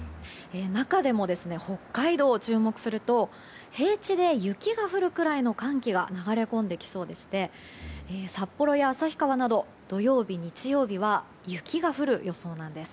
中でも北海道注目すると平地で雪が降るぐらいの寒気が流れ込んできそうでして札幌や旭川など土曜日、日曜日は雪が降る予想なんです。